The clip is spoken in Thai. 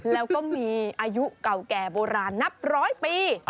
แล้วก็มีอายุเก่าแก่โบราณนับร้อยปี